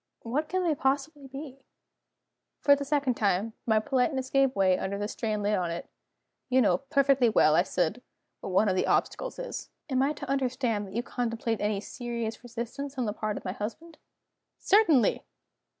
"What can they possibly be?" For the second time, my politeness gave way under the strain laid on it. "You know perfectly well," I said, "what one of the obstacles is." "Am I to understand that you contemplate any serious resistance on the part of my husband?" "Certainly!"